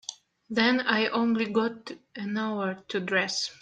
Then I've only got an hour to dress.